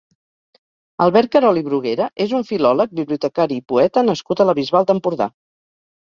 Albert Carol i Bruguera és un filòleg, bibliotecari i poeta nascut a la Bisbal d'Empordà.